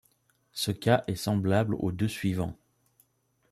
Ce cas est semblable aux deux suivants.